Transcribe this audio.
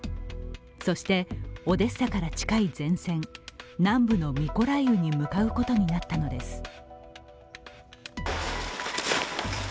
そしてオデッサから近い前線南部のミコライウに向かうことになったのです。